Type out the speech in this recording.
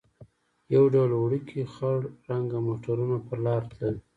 یو ډول وړوکي خړ رنګه موټرونه پر لار تلل.